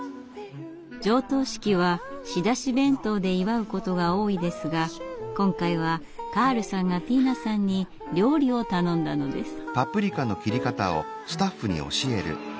上棟式は仕出し弁当で祝うことが多いですが今回はカールさんがティーナさんに料理を頼んだのです。